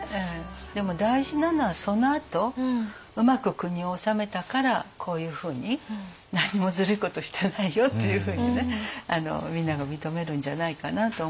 でも大事なのはそのあとうまく国を治めたからこういうふうに何もずるいことしてないよっていうふうにねみんなが認めるんじゃないかなと思います。